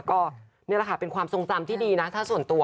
ก็นี่แหละค่ะเป็นความทรงจำที่ดีนะถ้าส่วนตัว